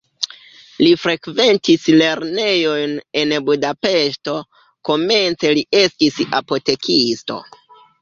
Li frekventis lernejojn en Budapeŝto, komence li estis apotekisto.